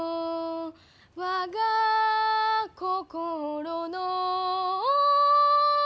「我が心の」